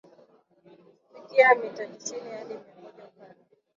hufikia mita tisini Hadi miamoja Upana pia